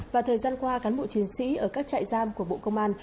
và thời gian qua cán bộ chiến sĩ ở các trại giam của bộ công an